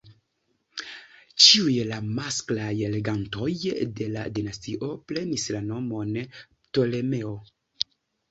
Ĉiuj la masklaj regantoj de la dinastio prenis la nomon Ptolemeo.